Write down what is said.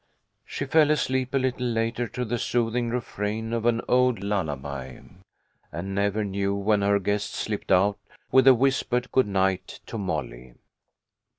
She fell asleep a little later to the soothing refrain of an old lullaby, and never knew when her guests slipped out, with a whispered good night to Molly.